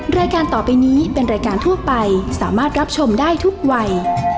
รายการต่อไปนี้เป็นรายการทั่วไปสามารถรับชมได้ทุกวัย